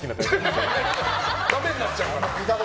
ダメになっちゃうから。